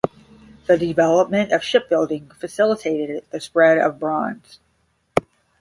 The development of shipbuilding facilitated the spread of bronze.